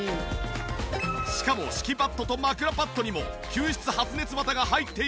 しかも敷きパッドと枕パッドにも吸湿発熱綿が入っているので全身ぬっくぬく！